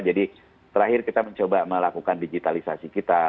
jadi terakhir kita mencoba melakukan digitalisasi kita